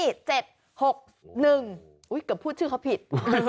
เกือบพูดชื่อเขาผิด